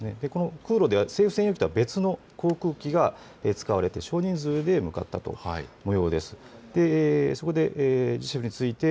空路では政府専用機とは別の航空機が使われて少人数で向かったもようです。